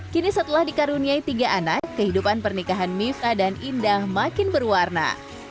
kini setelah dikaruniai tiga anak kehidupan pernikahan mifta dan indah makin berwarna